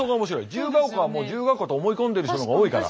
自由が丘はもう自由が丘と思い込んでいる人の方が多いから。